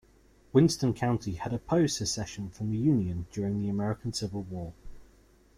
Winston County had opposed secession from the Union during the American Civil War.